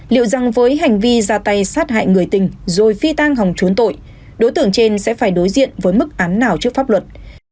liệu rằng với hành vi ra tay sát hại người tình rồi phi tang hòng trốn tội đối tượng trên sẽ phải đối diện với mức án nào trước pháp luật